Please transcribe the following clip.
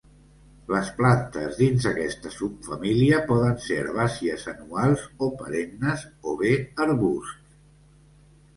Les plantes dins aquesta subfamília poden ser herbàcies anuals o perennes o bé arbusts.